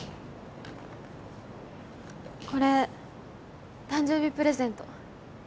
これ誕生日プレゼント。